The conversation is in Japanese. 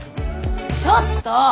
ちょっと！